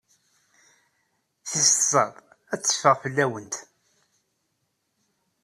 Tis tẓat ad teffeɣ fell-awent.